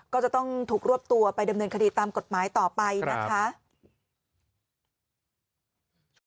ก็จะต้องถูกรวบตัวไปดำเนินคดีตามกฎหมายต่อไปนะคะ